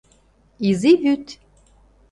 Изи вӱд